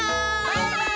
バイバーイ！